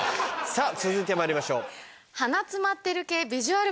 さぁ続いてまいりましょう。